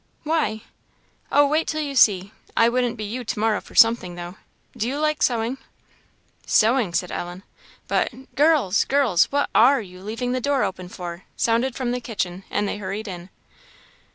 "Why?" "Oh, wait till you see. I wouldn't be you to morrow for something, though. Do you like sewing?" "Sewing!" said Ellen. But "Girls! girls! what are you leaving the door open for!" sounded from the kitchen, and they hurried in.